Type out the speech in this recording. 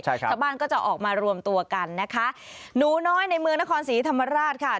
ใช่ครับชาวบ้านก็จะออกมารวมตัวกันนะคะหนูน้อยในเมืองนครศรีธรรมราชค่ะ